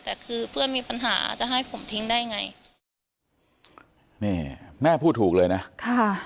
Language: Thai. แต่คือเพื่อนมีปัญหาจะให้ผมทิ้งได้ไงนี่แม่พูดถูกเลยนะค่ะ